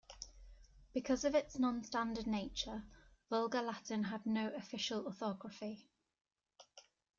Because of its nonstandard nature, Vulgar Latin had no official orthography.